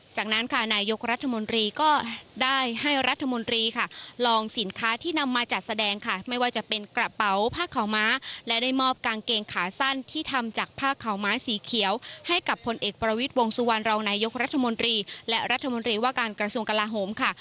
จากนั้นค่ะนายกรัฐมนตรีก็ได้ให้รัฐมนตรีค่ะลองสินค้าที่นำมาจัดแสดงค่ะไม่ว่าจะเป็นกระเป๋าผ้าขาวม้าและได้มอบกางเกงขาสั้นที่ทำจากผ้าขาวม้าสีเขียวให้กับพลเอกประวิทย์วงสุวรรณรองนายกรัฐมนตรีและรัฐมนตรีว่าการกระทรวงกลาโหมค่ะ